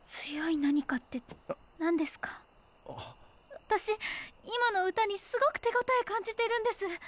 わたし今の歌にすごく手ごたえ感じてるんです。